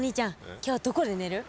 今日はどこで寝る？